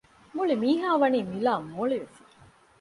މުޅިމީހާވަނީ މިލާ މޯޅިވެފަ